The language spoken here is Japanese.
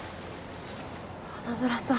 花村さん。